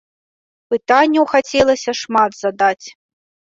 Пытанняў хацелася шмат задаць.